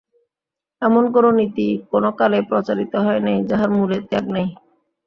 এমন কোন নীতি কোন কালে প্রচারিত হয় নাই, যাহার মূলে ত্যাগ নাই।